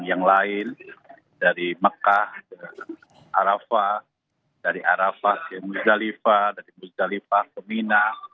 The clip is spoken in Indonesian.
yang lain dari mekah dari arafah dari arafah ke muzalifah dari musdalifah ke mina